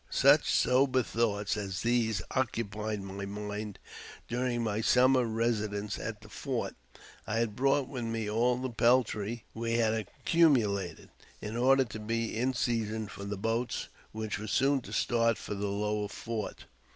Such sober thoughts as these occupied my mind during my summer residence at the fort. I had brought with me all the peltry we had accumulated, in order to be in season for the boats, which were soon to start for the lower fort.